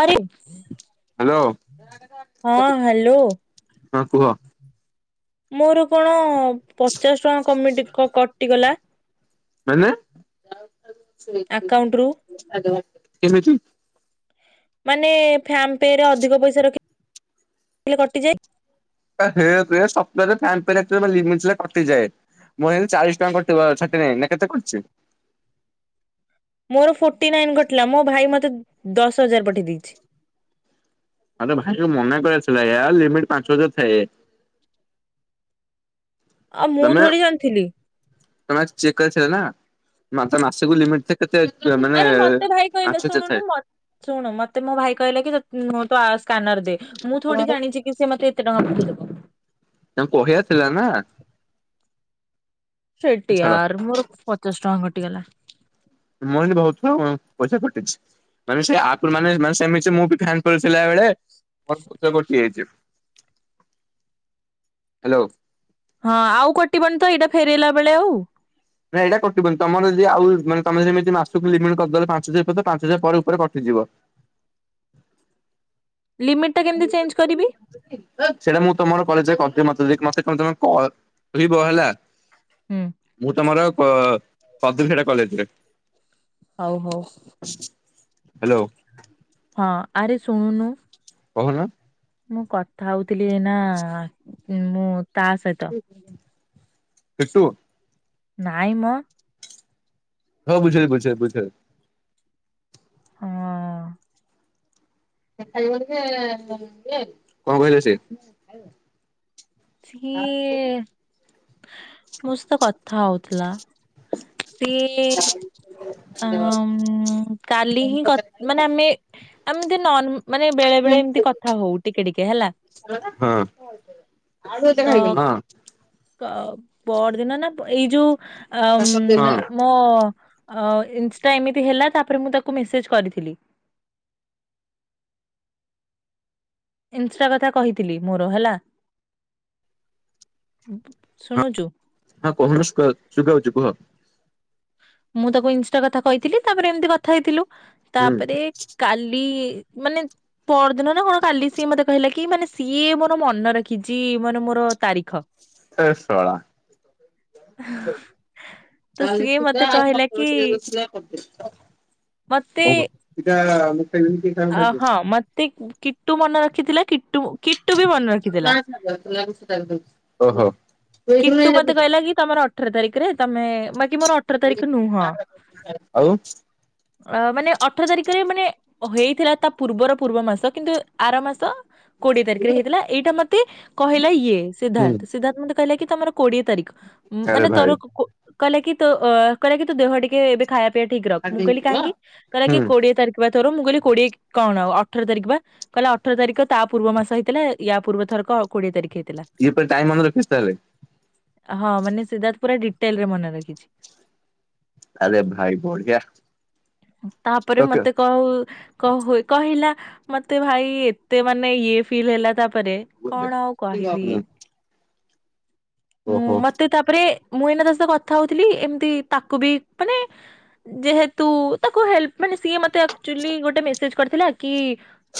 ଆରେ ହ୍ୟାଲୋ ହଁ ହ୍ୟାଲୋ। ହଁ କୁହ ମୋର କଣ ପଚାଶ ଟଙ୍କା କମି କଟିଗଲା। ମାନେ ଆକାଉଣ୍ଟ ରୁ କେମିତି? ମାନେ ଫାମ୍ ପେ ରେ ଅଧିକ ପଇସା ରଖି ଏଲେ କଟିଯାଏ। ଆରେ ହେ ସଫ୍ଟୱାର୍ ଫ୍ୟାମ୍ ପେ ରଖିଲେ ଲିମିଟ୍ ଥିଲେ କଟିଯାଏ। ମୁଁ ଚାଳିଶ ଟଙ୍କା କରିଥିବ ଛା ନାଇଁ କେତେ କରିଛି। ମୋର ଫୋର୍ଟି ନାଇନ କଟିଲା। ମୋ ଭାଇ ମତେ ଦଶ ହଜାର ପଠେଇ ଦେଇଛି। ଆରେ ଭାଇକୁ ମନା କରିବା ଥିଲା ୟାର ଲିମିଟ ପାଞ୍ଚ ହଜାର ଥାଏ। ଆଉ ମୁଁ ତମେ ଥୋଡି ଜାଣିଥିଲି। ତମେ ଚେକ୍ କରିଥିଲେ ନା ମାସକୁ ଲିମିଟ କେତେ ମାନେ ଆରେ ମତେ ଭାଇ କହିଲେ ମାଛ ଶୁଣୁନୁ ଚଥାଏ। ମ ଶୁଣୁ ମତେ ମୋ ଭାଇ କହିଲା କି ତୋ ସ୍କାନର ଦେ ମୁଁ ଥୋଡି ଜାଣିଚି କି ସେ ମତେ ଏତେ ଟଙ୍କା ପଢ଼େଇ ଦବ। ତାଙ୍କୁ କହିଆ ଥିଲା ନା। ସେଟି ଛାଡ ଆର ମୋର ପଚାଶ ଟଙ୍କା କଟିଗଲା। ମର ଏନ୍ତି ବହୁତ ଥର ପଇସା କଟିଛି। ମାନେ ସେ ଆଖୁଳୁ ମାନେ ସେ ମୁଁ ଫ୍ୟାନ ତଳେ ଥିଲା ବେଳେ। କଟି ଯାଇଛି ହ୍ୟାଲୋ। ହଁ ଆଉ କଟିବନି ତ ଏଇଟା ଫେରେଇଲା ବେଳେ ଆଉ। ନାଁଇ ଏଇଟା କଟିବନି ତମର ଯଦି ଆଉ ମାନେ ତମେ ତ ଯେମିତି ମାସକୁ ଲିମିଟ କରିଦେଲ ପାଞ୍ଚ ହଜାର ପାଞ୍ଚ ହଜାର ପରେ ଉପରେ କଟିଯିବ। ଲିମିଟ୍ ଟା କେମିତି ଚେଞ୍ଜ କରିବି। ସେଇଟା ମୁଁ ତମର କଲେ ଯ କରିଥିଲି ମତେକି ମତେ ତମେ କ କହିବ ହେଲା। ହୁଁ ମୁଁ ତମର ପଦୁ ଫେଡା କଲେଜରେ ହଉ ହଉ ହ୍ୟାଲୋ। ହଁ ଆରେ ଶୁଣୁନୁ। କହୁନ। ମୁଁ କଥା ହଉଥିଲି ନା ମୁଁ ତା ସହିତ କିଟୁ ନାହିଁ ମୋ ହଁ ବୁଝିଅଲି ବୁଝିଅଲି ବୁଝିଅଲି। ହଁ। ଖ ଯେଏ କଣ କହିଲ ସିଏ [unintelligible] ସିଏ ମୋ ସହ ତ କଥା ହଉଥିଲା ସିଏ ଆଁ କାଲି ହିଁ କ ମାନେ ଆମେ ଆମତି ନନ୍ ମାନେ ବେଳେ ବେଳେ ଏମିତି କଥା ହଉ ଟିକେ ଟିକେ ହେଲା। ହଁ ହଁ। ତ ପରଦିନ ନା ଏଇ ଯୋଉ ହଁ। ଆଁମ ଅ ଇଁଷ୍ଟା ଏମିତି ହେଲା ତାପରେ ମୁଁ ତାକୁ ମେସେଜ କରିଥିଲି ଇନଷ୍ଟା କଥା କହିଥିଲି ମୋର ହେଲା। ଶୁଣୁଚୁ? ହଁ କହୁନ ଶୁଭା-ଶୁଭାଉଛୁ କୁହ? ମୁଁ ତାକୁ ଇଂଷ୍ଟା କଥା କହିଥିଲି ତାପରେ ଏମିତି କଥା ହେଇଥିଲୁ ହୁଁ ତାପରେ କାଲି ମାନେ ପରଦିନ ନା କଣ କାଲି ସିଏ ମତେ କହିଲା କି ମାନେ ସିଏ ମୋର ମନେ ରଖିଛି ମାନେ ମୋର ତାରିଖ। ! ! ! ! ! ! ! ! ! ! ତ ଚାଲି ସିଏ ମତେ ଥିଲା ଆ କହିଲା କି କରିଦ କରିଦେଲି ତ କଁ କରି [unintelligible] ଇଟା [inaudible] ଅହଁ ମତେ କିଟୁ ମନେ ରଖିଥିଲା କିଟୁ କିଟୁ ବି ମନେ ରଖି ଓହୋ। କିଟୁ ମତେ କହିଲା କି ତମର ଅଠର ତାରିଖରେ ତମେ ବାକ ମୋର ଅ ଅଠର ତାରିଖ ନୁହଁ ଆଉ ମାନେ ଅଠର ତାରିଖରେ ମାନେ ଓ ହେଇଥିଲା ତା ପୂର୍ବର ପୂର୍ବ ମାସ କିନ୍ତୁ ଆର ମାସ। କୋଡିଏ ତାରିଖରେ ହେଇଥିଲା ଏଇଟା ମତେ କହିଲା ଇଏ ହୁଁ ସିଦ୍ଧାର୍ଥ ସିଧାତ୍ କହିଲା କି ତମର କୋଡିଏ ତାରିଖ ଆରେ ମାନେ ଭାଇ ତୋର କୋ କହିଲା କି ତୋ କହିଲା କି ତୋ ଦେହ ଟିକେ ଏବେ ଖାଇବା ପିଇବା ଠିକ ରଖ। ମୁଁ କହିଲି କାହିଁକି? କହିଲା କି ହୁଁ କୋଡିଏ ତାରିଖ ତୋର ମୁଁ କହିଲି କୋଡିଏ କଣ ଅଠର ତାରିଖବା କହିଲା ଅଠର ତାରିଖ ତା ପୂର୍ବ ମାସ ହେଇଥିଲା ୟା ପୂର୍ବ ତାରିଖ କୋଡିଏ ତାରିଖ ହେଇଥିଲା। ଇଏ ପୁରା ଟାଇମ୍ ମନେ ରଖିଛି ତାହେଲେ। ହଁ ମାନେ ସିଦ୍ଧାର୍ଥ ପୁରା ଡିଟେଲ ରେ ମନେ ରଖିଛି। ଆରେ ଭାଇ ବଢ଼ିଆ। ତାପରେ ମତେ କହୁ କହୁଏ କହିଲା ମତେ ଭାଇ ଏତେ ମାନେ ଇଏ ଫିଲ୍ ହେଲା ତାପରେ। କଣ ଆଉ କହିବି? ହୁଁ ମତେ ତାପରେ ମୁଁ ଏଇନା ତା ସ କଥା ହଉଥିଲି ଏମିତି ତାକୁ ବି ମାନେ ଯେହେତୁ ତାକୁ ହେଲ୍ପ୍ ମାନେ ସିଏ ମୋତେ ଆକ୍ଚୁଲି ଗୋଟେ ମେସେଜ କରିଥିଲା କି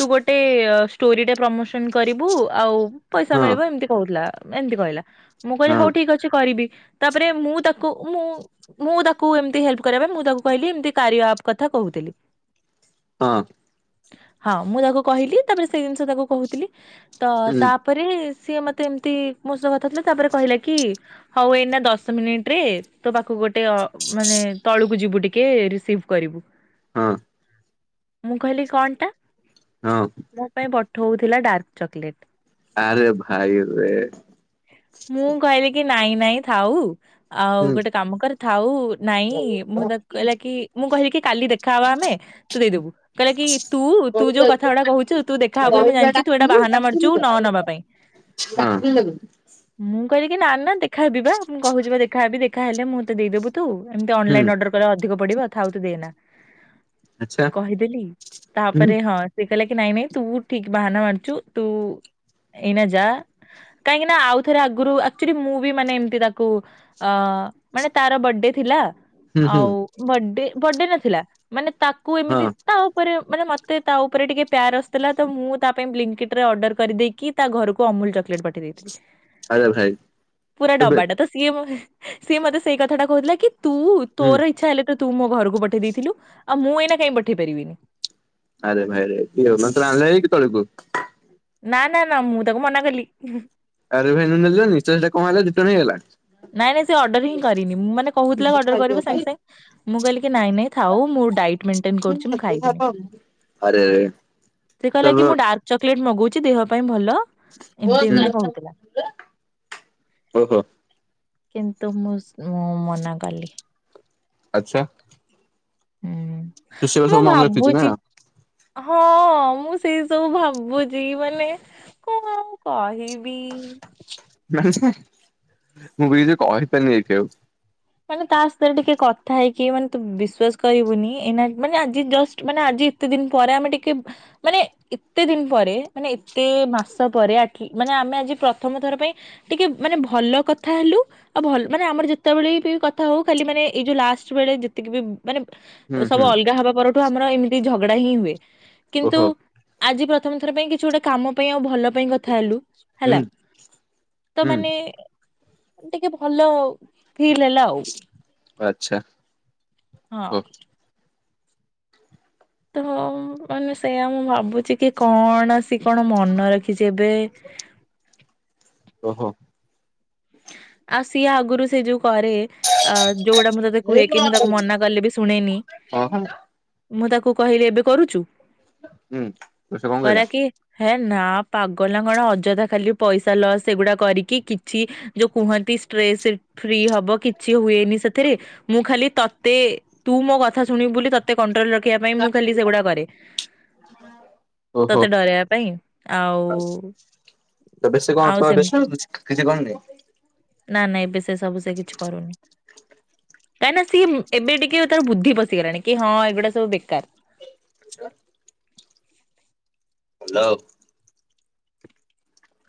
ତୁ ଗୋଟେ ଷ୍ଟୋରିରେ ପ୍ରମୋସନ କରିବୁ ଆଉ ପଇସା ମିଳିବ ଏମିତି କହୁଥିଲା ଏମିତି କହିଲା ମୁଁ କହିଲି ହଉ ଠିକ ଅଛି କରିବି। ତାପରେ ମୁଁ ତାକୁ ମୁଁ ମୁଁ ତାକୁ ଏମିତି ହେଲ୍ପ କରିବା ପାଇଁ ମୁଁ ତାକୁ କହିଲି ଏମତି କାରିୟା ଆପ୍ କଥା କହୁଥିଲି। ହଁ ହଁ ମୁଁ ତାକୁ କହିଲି ତାପରେ ସେଇ ଜିନିଷ ତାକୁ କହୁଥିଲି ତ ତା ତା ପରେ ସିଏ ମତେ ଏମିତି ମୋ ସହ କଥା ହଉଥିଲା ତାପରେ କହିଲା କି? ହଉ ଏଇନା ଦଶ ମିନିଟ ରେ ତୋ ପାଖକୁ ଗୋଟେ ମାନେ ତଳକୁ ଯିବୁ ଟିକେ ରିସିଭ୍ କରିବୁ। ହଁ। ମୁଁ କହିଲି କଣ ଟା? ହଁ। ମୋ ପାଇଁ ପଠଉଥିଲା ଡାର୍କ ଚକଲେଟ୍। ଆରେ ଭାଇରେ ମୁଁ କହିଲି କି ନାଇଁ ନାଇଁ ଥାଉ ଆଉ ଗୋଟେ କାମ କରେ। ଥାଉ ନାଇଁ ମୁଁ ତାକୁ କହିଲା କି ମୁଁ କହିଲି କି କାଲି ଦେଖାହବା ଆମେ ତୁ ଦେଇଦବୁ। କହିଲେ କି ତୁ ତୁ ଯୋଉ କଥା ଗୁଡା କହୁଛୁ ତୁ ଦେଖା ହବନ ମୁଁ ଜଣିଛି ତୁ ଏଇଟା ବାହାନା ମାରୁଛୁ ନବା ପାଇଁ ହଁ ମୁଁ କହିଲି ନା ନା ଦେଖାହେବି ବା ମୁଁ କହୁଛି ବା ଦେଖାହବି ଦେଖାହଲେ ମୁଁ ମତେ ଦେଇଦବୁ ଏମତି ଅନଲାଇନ ଅର୍ଡର କଲେ ଅଧିକ ପଡିବ ଥାଉ ତୁ ଦେଏ ନା। କହିଦେଲି ତାପରେ ହଁ। ସେ କହିଲା କି ନାଇଁ ନାଇଁ ତୁ ଠିକ ବାହାନା ମାରୁଛୁ ତୁ ଏଇନା ଯା କାହିଁକି ନା ଆଉ ଥରେ ଆଗରୁ ଆକୁଚୁଲି ମୁଁ ବି ମାନେ ଏମିତି ତାକୁ ଅ ମାନେ ତାର ବର୍ଥଡେ ଥିଲା ଆଉ ବଡଡେ ବଡଡେ ନଥିଲା ମାନେ ତାକୁ ଏମିତି ତା ଉପରେ ମାନେ ମତେ ତା ଉପରେ ଟିକେ ପ୍ୟାର ଆୁଥିଲା ତ ମୁଁ ତା ପାଇଁ ବ୍ଙ୍କଟ ରେ ଅର୍ଡର କରିଦେଇକି ତା ଘରକୁ ଅମୁଲ ଚକଲେଟ ପଠେଇ ଦେଇଥିଲି ପୁରା ଡବାଟା ତ ସିଏ ସିଏ ମତେ ସେଇ କଥାଟା କହୁଥିଲା କି ତୁ ତୋର ଇଚ୍ଛା ହେଲେ ତୁ ମୋ ଘରକୁ ପଠେଇ ଦେଇଥିଲୁ ଆଉ ମୁଁ ଏଇନା କାଇଁ ପଠେଇ ପାରିବିନି ଆରେ ଭାଇରେ ମନ୍ତ୍ର ଆିଲ ହେଇ କି ତଳକୁୁ ନା ନା ନା ମୁଁ ତାକୁ ମନା କଲି। ଆରେ ଭାଇନୁ ନେଲନି ସେଇଟା କଣ ହେଲା ରିଟନ ହିଁ ହେଲା। ନାଇଁ ନାଇଁ ସେ ଅର୍ଡର ହିଁ କରିନି ମୁଁ ମାନେ କହୁଥିଲା ଅର୍ଡର କରିବ ସାଙ୍ଗେ ସାଙ୍ଗେ ମୁଁ କହିଲି ନାଇଁ ନାଇଁ ଥା ମୁ ଡାଇଟ୍ ମେନ୍‌ଟେନ୍ କରୁଛି ମୁଁ ଖାଇିବିନି ଆରେରେ ସେ କହିଲା କି ମୁଁ ଡାର୍କ ଚକୋଲେଟ ମଗଉଛି ଦେହ ପାଇଁ ଭଲ। ଏମିତି ଏମିତି କହୁଥିଲା କିନ୍ତୁ ମୁଁ ମୁଁ ମନା କଲି ଆଚ୍ଛା ହୁଁ ତୁ ସେଗୁରା ମୁଁ ସବୁ ମନେ ରଖିଛୁ ନା ଭାବୁଛି। ହଁ ମୁଁ ସେଇ ସବୁ ଭାବୁଛି ମାନେ କଣ କହିବି ମାନେ ମୁଁ ବିଛି କହିପାରନି ଏଉ ମାନେ ତା ସାରେ ଟିକେ କଥା ହେଇକି ମାନେ ତୁ ବିଶ୍ଵାସ କରିବୁନି ଏନା ମାନେ ଆଜି ଜଷ୍ଟ ମାନେ ଆଜି କେତେ ଦିନ ପରେ ଆମେ ଟିକେ ମାନେ ଏତେ ଦିନ ପରେ ମାନେ ଏତେ ମାସ ପରେ ମାନେ ଆମେ ଆଜି ପ୍ରଥମ ଥର ପାଇଁ ଟିକେ ମାନେ ଭଲ କଥା ହେଲୁ ଆଉ ଭଲ ମାନେ ଆମର ଯେତେବେଳେ କଥା ହଉ ଖାଲି ମାନେ ଏଇ ଯୋଉ ଲାଷ୍ଟ ବେଳେ ଯେତିକି ବି ମାନେ ହୁଁ ସବୁ ହୁଁ ଅଲଗା ହବା ପରେ। ଆମର ଏମିତି ଝଗଡା ହିଁ ହୁଏ। କିନ୍ତୁ, ଓହୋ ଆଜି ପ୍ରଥମ ଥର ପାଇଁ କିଛି ଗୋଟେ କାମ ପାଇଁ ଆଉ ଭଲ ପାଇଁ କଥା ହେଲୁ ହୁଁ ହେଲା ତ ହୁଁ ମାନେ ଟିକେ ଭଲ ଫିଲ୍ ହେଲା ଆଉ। ଆଚ୍ଛା ହଁ। ଓ ତ ମାନେ ସେଇୟା ମୁଁ ଭାବୁଛି କି କଣ ଆସି କଣ ମନ ରଖି କି ଯେବେ ଓହୋ ଆଉ ସିଏ ଆଗରୁ ସେ ଯୋଉ କରେ ଅ ଯୋଉଗୁଡା ମୁ କୁହେ କି, ମୁଁ ତାକୁ ମନା କଲି ବି ଶୁଣେନି। ହଁ ମୁଁ ତାକୁ କହିଲି ଏବେ କରୁଛୁ। ହୁଁ ତ ସେ କଣ କହିଲା? କହିଲାକି ହେ ନା ପାଗଲା କଣ ଅଯଥା ଖାଲି ପଇସା ଲସ୍ ସେଗୁଡା କରିକି କିଛି ଯୋଉ କୁହନ୍ତି ଷ୍ଟ୍ରେସ୍ ଫ୍ରି ହବ କିଛି ହୁଏନି ସେଥିରେ ମୁଁ ଖାଲି ତେ ତୁ ମୋ କଥା ଶୁଣିବୁ ବୋଲି ତତେ କଣ୍ଟ୍ରୋଲ ରଖିବା ପାଇଁ ମୁଁ ଖାଲି ସେଗୁଡା କରେ ଓହୋ। ତତେ ଡରାଇବା ପାଇଁ ଆଉ ତ ବେଶୀ କଣ ଆଉ ତମେ ବେଶୀ ସେମତି। କିଛି କଣନାଇଁ ନା ନା ଏବେ ସେ ସବୁ ସେ କିଛି କରୁନି କାହିଁକିନା ସିଏ ଏବେ ଟିକେ ତାର ବୁଦ୍ଧିଶିଗଲାଣି କି ହଁ ଏଗୁଡ଼ା ସବୁ ବେକାର ହ୍ୟାଲୋ।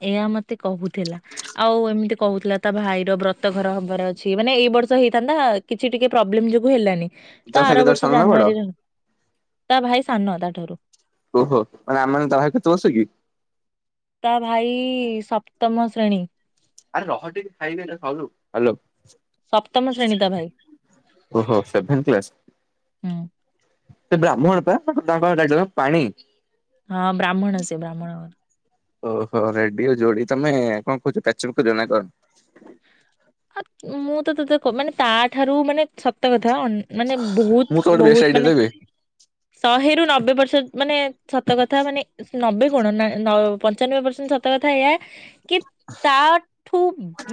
ଏହା ମତେ କହୁଥିଲା। ଆଉ ଏମିତି କହୁଥିଲା ତା ଭାଇର ବ୍ରତ ଘର ହବାର ଅଛି ମାନେ ଏଇ ବର୍ଷ ହେଇଥାନ୍ତା କିଛି ଟିକେ ପ୍ରୋବ୍ଲେମ ଯୋଗୁ ହେଲାନି ତମ ତ ଭାଇ ଆର କେତେବେଳେ ବର୍ଷ ସାନ ନା ବଡ? ଜାନୁଆରୀରେ ହ ବ। ତା ଭାଇ ସାନ ତାଠାରୁ। ଓହୋ ମାନେ ଆମେ ମାନେ ତା ଭାଇ କେତେ ବର୍ଷ କି? ତା ଭାଇ ସପ୍ତମ ଶ୍ରେଣୀ ହେଲୋ। ସପ୍ତମ ଶ୍ରେଣୀ ତା ଭାଇ। ଓହୋ ସେଭେନ କ୍ଲାସ। ହୁଁ ସେ ବ୍ରାହ୍ମଣ ପା ତାଙ୍କ ପାଖକୁ ଟାଇଟଲ କଣ ପାଣି। ହଁ, ବ୍ରାହ୍ମଣ ସେ ବ୍ରାହ୍ମଣ ଘର। ଓହୋ ରେଡି ହେଲାନି ତମେ କଣ କହୁଛ ପ୍ୟାଚୁର କରିବା ନା କଣ? ଆ ମୁଁ ତତେ ମାନେ ତା ଠାରୁ ମାନେ ସତ କଥା ଅନ ମାନେ ମୁଁ ବହୁତ ତ ଗୋଟେ ବେଷ୍ଟ ବହୁତ ଆଇଡିଆ ମାନେ ଦେବି ଶହେରୁ ନବେ ପର୍ସେଣ୍ଟେଜ୍ ମାନେ ସତ କଥା ମାନେ ନବେ କଣ ନା ପଞ୍ଚାନବେ ପରସେଣ୍ଟ ସତ କଥା ଏୟା କି ତାଠୁ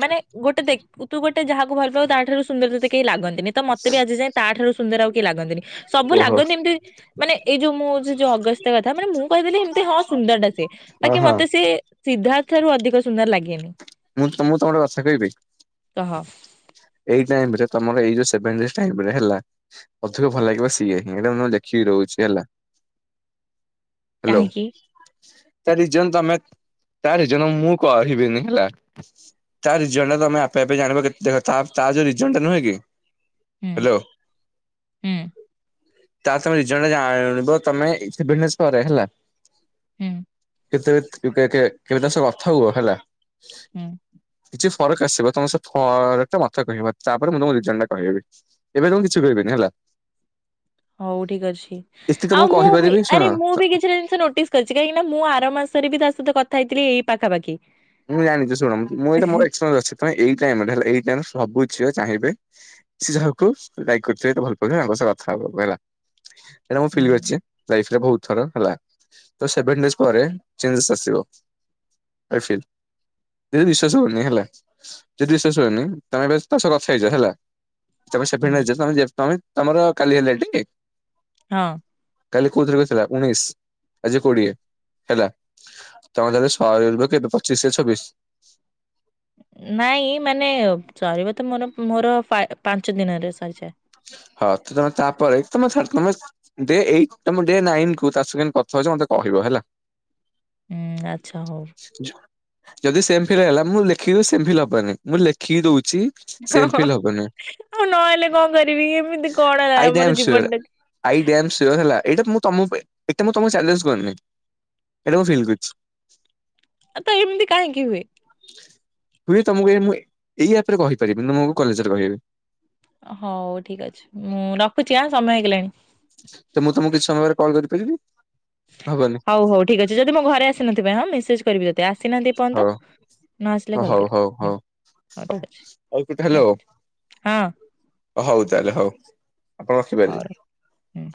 ମାନେ ଗୋଟେ ଦେଖ ତୁ ଗୋଟେ ଯାହାକୁ ଭଲ ପାଇବୁ ତା ଠାରୁ ସୁନ୍ଦର ତତେ କେହି ଲାଗନ୍ତିନି। ତ ମତେ ବି ଆଜି ଯାଏ ତାଠାରୁ ସୁନ୍ଦର ଆଉ କି ଲାଗନ୍ତିନି ସବୁ ଓହୋ ଲାଗନ୍ତି ଏମିତି ମାନେ ଏଇ ଯୋଉ ମୁଁଉଛି ଯୋଉ ଅଗସ୍ତ୍ୟ କଥା ମାନେ ମୁଁ କହିଦେଲି ଏମିତି ହଁ ସୁନ୍ଦର ଟା ସିଏ ହଁ ବାକି ହଁ। ମତେ ସେି ସିଦ୍ଧାର୍ଥରୁ ଅଧିକ ସୁନ୍ଦର ଲାଗେନି। ମୁଁ ତମ [unintelligible] କହ। ଏଇ ଟାଇମରେ ତମର ଏଇ ଯୋଉ ସେଭେନ ଡେଏଜ୍ ଟାଇମ ରେ ହେଲା ଅଧିକ ଭଲ ଲାଗିବ ସିଏ ହିଁ ଏଟା ମୁ ଲେଖିକି ରହୁଛି ହେଲା। ହ୍ୟାଲୋ। କାହିଁକି? ତାରିଜନ୍ ତମେ ତାରିଜନ୍ ମୁଁ କହିବିନି ହେଲା। ତା ରିଜନ ଟା ତମେ ଆପେ ଆପେ ଜାଣିବ କେତ ଦେଖ ତା ଯୋଉ ରିଜନ ଟା ନୁହେଁ କି ହୁଁ ହେଲୋ। ହୁଁ ତା ତମେ ରିଜନ ଜାଣିବ ତମେ ସେଭେନ ଡେଏଜ୍ ପରେ ହେଲା। ହୁଁ। କେତେଲେ କେ କେବେ ତା ସହ କଥା ହୁଅ ହେଲା। ହୁଁ। କିଛି ଫରକ ଆସିବା ତମର ସେ ଫର ମତେ କହିବ, ତାପରେ ମୁଁ ତମକୁ ରିଜିନ କହିଦେବି ଏବେ ତମକୁ କିଛି କହିବିନି ହେଲା। ହଉ ଠିକ ଅଛି, ଏତିକି ଆଉ ତମକୁ ମୁଁ ବି କହିପାରିବି ଶୁଣ ଆରେ ମୁଁ ବି କିଛି ଟା ଜିନିଷ ନୋଟିସ୍ କରିଛି କାହିଁକି ନା ମୁଁ ଆର ମାସରେ ବି ତା ସହିତ କଥା ହେଇଥିଲି ଏଇ ପାାଖାପାଖି। ମୁଁ ଜାଣିଛି ଶୁଣ ମୁଁ ଏଇଟା ମୋର ଏକ୍ସପେରିଏନସ ଅଛି ତମେ ଏଇ ଟାଇମରେ ହେଲା ଏଇ ଟାଇମ୍ ରେ ସବୁ ଝିଅ ଚାହିଁବେ ସେ ଯାହାକୁ ଲାଇକ୍ କରିଥିଲେ ତ ଭଲ ପାଉ ଥିଲେ ତାଙ୍କ ସହ କଥା ହବ ହେଲା ଏଟା ମୁଁ ହୁଁ ଫିଲିମ୍ ରେ ଅଛି। ଲାଇଫରେ ବହୁତଥର ହେଲା ତ ସେଭେନ୍ ଡେଜ ପରେ ଚେଙ୍ଗେସ ଆସିବ। I feel. ଯଦି ବିଶ୍ବାସ ହୋଉନି ହେଲା। ଯଦି ବିଶ୍ୱାସ ହୋଉନି ତା ମାନେ ତା ସହ କଥା ହେଇ ଯାଅ। ତମେ ହୁଁ। ସେଭେନ ଡେଜରେ ତମେ ଯେ ତମେ ତମର କାଲି ହେଲା ଟି? ହଁ। କାଲି କୋଉ ତାରିଖ ଥିଲା ଉଣେଇଶ ଆଜି କୋଡିଏ ହେଲା। ତମର ଯଦି ସରିବ କେବେ ପଚିଶ ସେ ଛବିଶ। ନାଇଁ ମାନେ ସରିବ ତ ମୋର ମୋର ପାଞ୍ଚ ଦିନରେ ସରିଯାଏ। ହଁ ତ ତମେ ତାପରେ ତମେ ଛାଡ଼ ତମେ ଡେ ଏଇଟ ତମେ ଡେ ନାଇନ୍ କୁ ତା ସଙ୍ଗେ କିନ କଥା ହଉଛ ମତେ କହିବ ହେଲା। ହୁଁ ଆଚ୍ଛା ହଉ। ଯଦି ସେମ ଫିଲ୍ ହେଲା ମୁଁ ଲେଖିକି ସେମ ଫିଲ୍ ହବନି, ମୁଁ ଲେଖିକି ଦଉଛି। ସେମ୍ ହଁ, ଫିଲ୍ ହବନି। ଆଉ ନହେଲେ କଣ କରିବି ଏମିତି କଣ ହେଲା ଆଇ ଡ୍ୟାମ୍ ଆମର ସିଓର ଜୀବନ ଟାକୁ। ଆଇ ଡ୍ୟାମ୍ ସିଓର ହେଲା ଏଇଟା ମୁଁ ତମ ପାଇଁ ଏଟା ମୁଁ ତମକୁ ଚଲେଞ୍ଜ କରିନି। ଏଟା ମୁଁ ଫିଲ୍ କରିଛି। ତ ଏମିତି କାହିଁକି ହୁଏ? ହୁଏ ତମକୁ ମୁଁ ଏଇ ଆପରେ କହିପାରିବି ତମକୁ କଲେଜରେ କହିବି। ହଉ ଠିକ ଅଛି ମୁଁ ରଖୁଛି ଆ ସମୟ ହେଇଗଲାଣି। ତ ମୁଁ ତମକୁ କିଛି ସମୟରେ କଲ୍ କରିପାରିବି ହବନି? ହଉ ହଉ ଠିକ ଅଛି ଯଦି ମୋ ଘରେ ଆସିନଥିବେ ହଁ ମେସେଜ କରିବି ଯଦି ଆସିନାହାନ୍ତି ଏପନ୍ତ। ହଉ ନ ଆସିଲେ ହଉ କଲ ହଉ କରିବି ହଉ ହୁଁ ହଉ ହଉ ଠିକ ଅଛି ରଖୁଛି। ହଁ। ହଉ ତାହେଲେ ହଉ ଆପଣ ହଉ ରଖିପାରିବେ। ହୁଁ।